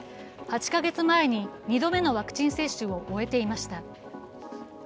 ８カ月前に２度目のワクチン接種を終えていました。